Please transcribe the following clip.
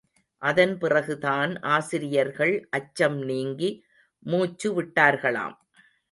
அதன்பிறகுதான் ஆசிரியர்கள் அச்சம் நீங்கி மூச்சு விட்டார்களாம்.